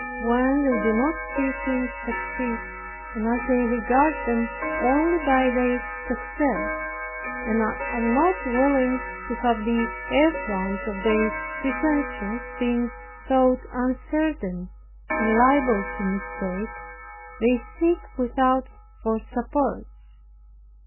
When they do not see things succeed, and as they regard them only by their success, and are not willing to have the affront of their pretensions being though uncertain, and liable to mistake, they seek without for supports.